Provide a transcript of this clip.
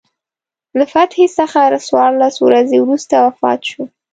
له فتحې څخه څوارلس ورځې وروسته وفات شو.